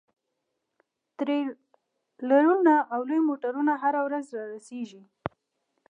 ټریلرونه او لوی موټرونه هره ورځ رارسیږي